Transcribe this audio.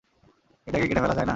এটাকে কেটে ফেলা যায় না?